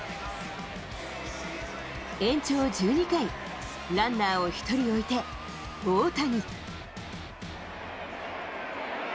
延長１２回、ランナーを１人置いて大谷。